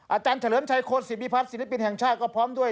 อาจารย์เฉลิมชัยโคศิพิพัฒน์ศิลปินแห่งชาติก็พร้อมด้วย